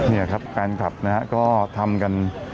นี่ครับฟันคลับนะครับก็ทำกัน